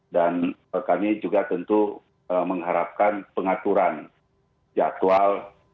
kami juga tentu mengharapkan pengaturan jadwal